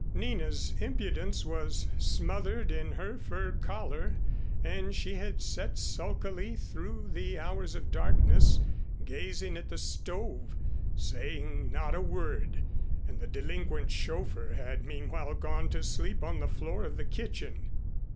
Nina's impudence was smothered in her fur collar, and she had sat sulkily through the hours of darkness, gazing at the stove, saying not a word, and the delinquent chauffeur had meanwhile gone to sleep on the floor of the kitchen.